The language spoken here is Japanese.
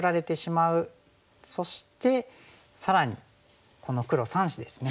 そして更にこの黒３子ですね。